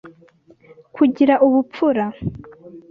kugira ubupfura